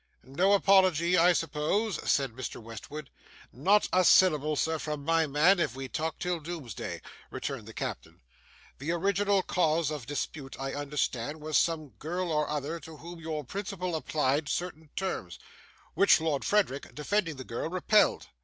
'No apology, I suppose?' said Mr. Westwood. 'Not a syllable, sir, from my man, if we talk till doomsday,' returned the captain. 'The original cause of dispute, I understand, was some girl or other, to whom your principal applied certain terms, which Lord Frederick, defending the girl, repelled.